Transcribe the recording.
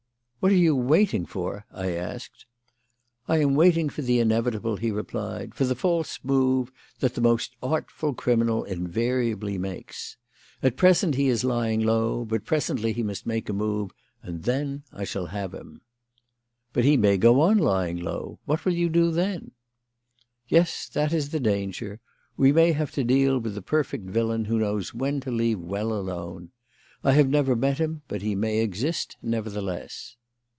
"What are you waiting for?" I asked. "I am waiting for the inevitable," he replied; "for the false move that the most artful criminal invariably makes. At present he is lying low; but presently he must make a move, and then I shall have him." "But he may go on lying low. What will you do then?" "Yes, that is the danger. We may have to deal with the perfect villain who knows when to leave well alone. I have never met him, but he may exist, nevertheless."